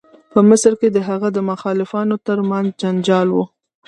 په مصر کې د هغه او مخالفانو تر منځ جنجال و.